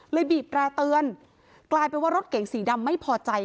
บีบแร่เตือนกลายเป็นว่ารถเก๋งสีดำไม่พอใจ